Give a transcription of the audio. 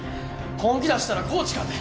本気出したらコーチかて。